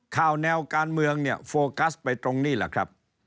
ข่าวแนวการเมืองเนี่ยโฟกัสไปตรงนี้แหละครับ